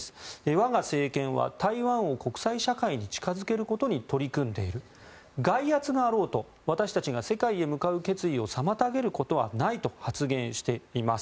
和賀政権は台湾を国際社会に近付けることに取り組んでいる外圧があろうと私たちが世界へ向かう決意を妨げることはないと発言しています。